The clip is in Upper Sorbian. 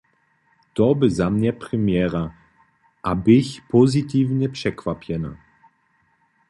To bě za mnje premjera, a běch pozitiwnje překwapjena.